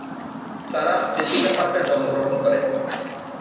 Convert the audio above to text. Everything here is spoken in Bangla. সারাহ জেসিকা পার্কার জন্মগ্রহণ করেন।